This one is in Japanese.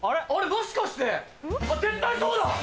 もしかして絶対そうだ！